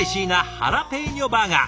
ハラペーニョバーガー